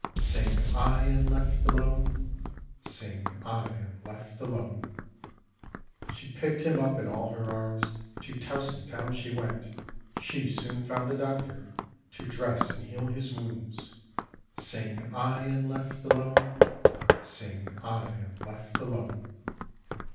Sing I am left alone, Sing I am left alone. She picked him up all in her arms, To Tousen town she went; She soon found a doctor To dress and heal his wounds, Sing I am left alone, Sing I am left alone.